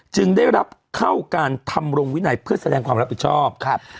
จึงได้รับเข้าการทำรงวินัยเพื่อแสดงความรับผิดชอบครับ